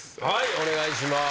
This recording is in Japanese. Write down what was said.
お願いします。